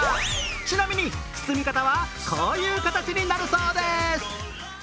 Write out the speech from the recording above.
ちなみに、包み方は、こういう形になるそうです。